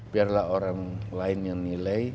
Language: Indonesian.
biarlah orang lain yang nilai